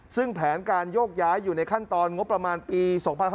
ซึ่งแผนการโยกย้ายอยู่ในขั้นตอนงบประมาณปี๒๕๕๙